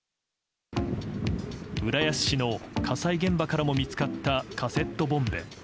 浦安市の火災現場からも見つかった、カセットボンベ。